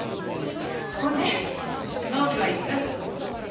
ほんで納期はいつ？